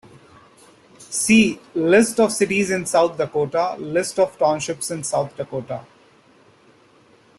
See: List of cities in South Dakota, List of townships in South Dakota.